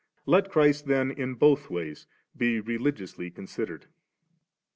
* Let Christ then in both ways be religiously considered.